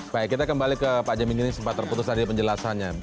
baik kita kembali ke pak jamin ini sempat terputus tadi penjelasannya